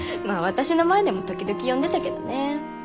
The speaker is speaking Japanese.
まあ私の前でも時々呼んでたけどね。